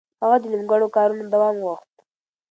هغه د نيمګړو کارونو دوام غوښت.